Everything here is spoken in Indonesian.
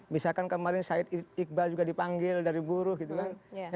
misalkan kemarin said iqbal juga dipanggil dari buruh gitu kan